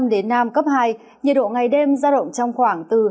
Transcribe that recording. đến nam cấp hai nhiệt độ ngày đêm ra động trong khoảng từ hai mươi bốn ba mươi bảy độ